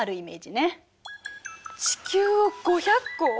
地球を５００個！